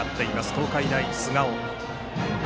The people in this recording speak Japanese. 東海大菅生。